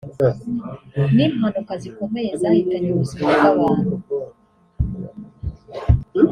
n’impanuka zikomeye zahitanye ubuzima bw’abantu